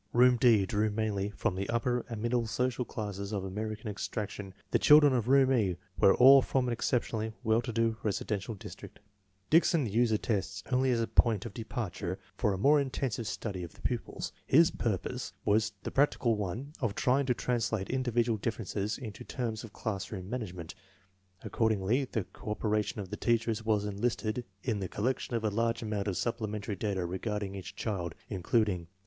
Room D drew mainly from the upper and middle social classes of American extraction. The children of Room E were all from an exceptionally well to do residential district. Dickson used the tests only as a point of departure for a more intensive study of the pupils. His purpose 44 INTELLIGENCE OP SCHOOL CHILDREN was the practical one of trying to translate individual differences into terms of classroom management. Ac cordingly, the cooperation of the teachers was enlisted in the collection of a large amount of supplementary data regarding each child, including: 1.